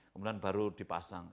kemudian baru dipasang